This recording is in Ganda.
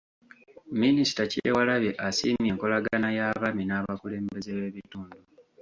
Minisita Kyewalabye asiimye enkolagana y’Abaami n’abakulembeze b’ebitundu.